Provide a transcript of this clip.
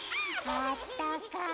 あったかい。